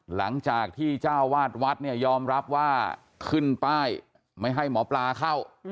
หลังจากที่เจ้าวาดวัดเนี่ยยอมรับว่าขึ้นป้ายไม่ให้หมอปลาเข้า